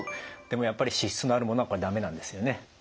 でもやっぱり脂質のあるものはこれダメなんですよね？